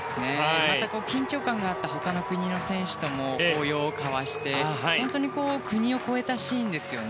緊張感があった他の国の選手とも抱擁を交わして本当に国を超えたシーンですよね。